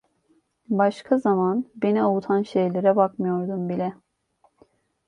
Başka zaman beni avutan şeylere bakmıyordum bile.